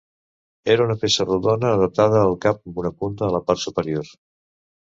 Era una peça rodona adaptada al cap amb una punta a la part superior.